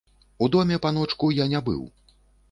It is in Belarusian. У доме, паночку, я не быў.